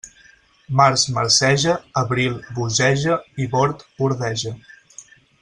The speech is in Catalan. Març marceja, abril bogeja i bord bordeja.